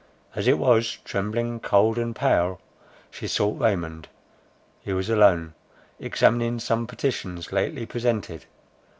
As it was, trembling, cold, and pale, she sought Raymond. He was alone, examining some petitions lately presented.